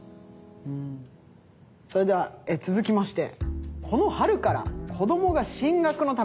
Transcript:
それでは続きまして。